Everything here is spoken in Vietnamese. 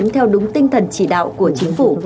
theo đúng tinh thần chỉ đạo của chính phủ